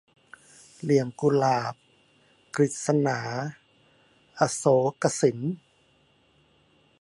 เหลี่ยมกุหลาบ - กฤษณา อโศกสิน